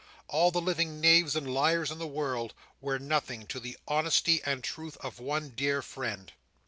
All the living knaves and liars in the world, were nothing to the honesty and truth of one dead friend.